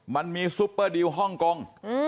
มันมีซุปเปอร์ดีลฮ่องกอง